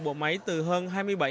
bộ máy từ hơn hai mươi bảy